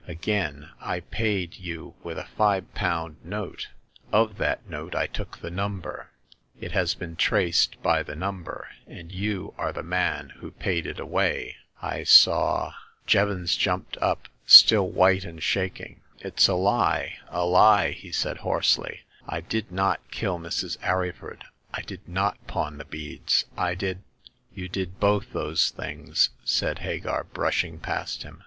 Again, I paid you with a five pound note. Of that note I took the number. It has been traced by the number, and you are the man who paid it away. I saw " It 8o Hagar of the Pawn Shop. Jevons jumped up, still white and shaking. It's a lie ! a lie !he said hoarsely. " I did not kill Mrs. Arryford ; I did not pawn the beads. I did ''" You did both those things !" said Hagar, brushing past him.